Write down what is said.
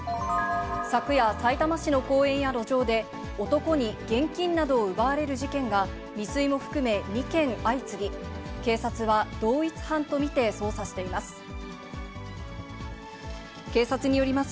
昨夜、さいたま市の公園や路上で、男に現金などを奪われる事件が、未遂も含め２件相次ぎ、警察は同一犯と見て、捜査しています。